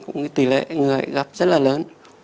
cũng như tỷ lệ người gặp rất là lớn